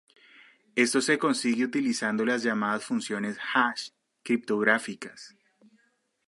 Esto se consigue utilizando las llamadas funciones hash criptográficas.